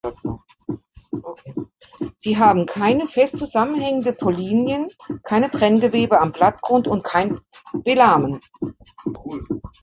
Sie haben keine fest zusammenhängenden Pollinien, kein Trenngewebe am Blattgrund und kein Velamen.